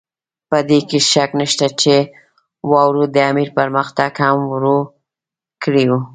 په دې کې شک نشته چې واورو د امیر پرمختګ هم ورو کړی وو.